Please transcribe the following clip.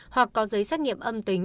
hoặc có giấy xét nghiệm âm tính